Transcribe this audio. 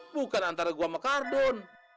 bukan antara gua sama kardon